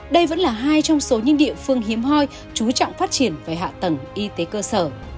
đây vẫn là hai trong số những địa phương hiếm hoi chú trọng phát triển về hạ tầng y tế cơ sở